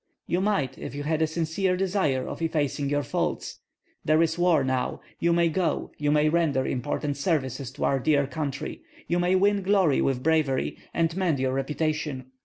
"You might if you had a sincere desire of effacing your faults. There is war now; you may go, you may render important services to our dear country, you may win glory with bravery, and mend your reputation.